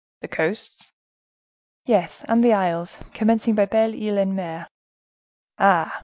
"The coasts?" "Yes, and the isles; commencing by Belle Ile en Mer." "Ah!